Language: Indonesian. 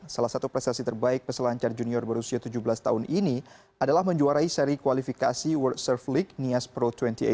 salah satu prestasi terbaik peselancar junior berusia tujuh belas tahun ini adalah menjuarai seri kualifikasi world surf league nias pro dua ribu delapan belas